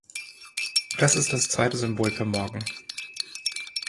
Das ist das zweite Symbol für morgen.